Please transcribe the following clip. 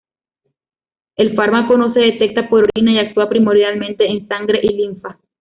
El fármaco no se detecta por orina y actúa primordialmente en sangre y linfa.